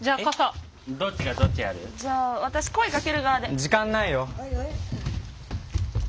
時間ないよ。